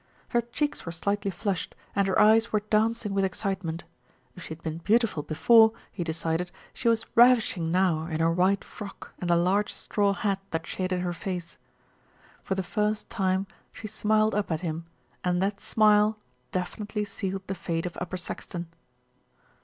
Her cheeks were slightly flushed, and her eyes were dancing with excitement. If she had been beautiful before, he decided, she was ravishing now in her white frock and the large straw hat that shaded her face. For the first time she smiled up at him, and that smile definitely sealed the fate of Upper Saxton.